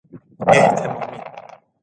اهتمامی